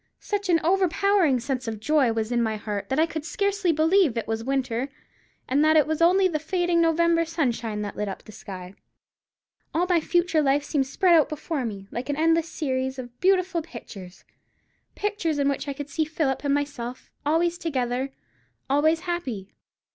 Such an overpowering sense of joy was in my heart, that I could scarcely believe it was winter, and that it was only the fading November sunshine that lit up the sky. All my future life seemed spread before me, like an endless series of beautiful pictures—pictures in which I could see Philip and myself, always together, always happy.